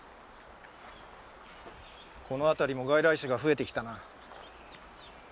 この辺りも外来種が増えてきたな。